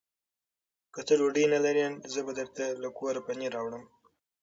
که ته ډوډۍ نه لرې، زه به درته له کوره پنېر راوړم.